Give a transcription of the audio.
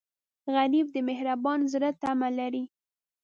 غریب د مهربان زړه تمه لري